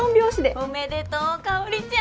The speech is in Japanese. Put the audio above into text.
おめでとう香ちゃん。